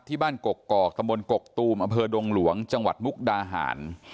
ที่บ้านกกอกตะบนกกตูมอำเภอดงหลวงจังหวัดมุกดาหาร